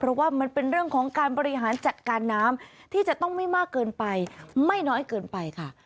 เพราะว่ามันเป็นเรื่องของการบริหารจัดการน้ำที่จะต้องไม่มากเกินไปไม่น้อยเกินไปค่ะ